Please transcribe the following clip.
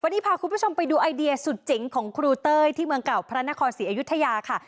วันนี้พาคุณผู้ชมไปดูไอเดียสุดเจ๋งของครูเต้ยที่เมืองเก่าพระนครศรีอยุธยาค่ะ